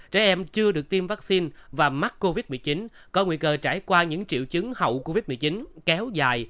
trẻ em chưa được tiêm vaccine và mắc covid một mươi chín có nguy cơ trải qua những triệu chứng hậu covid một mươi chín kéo dài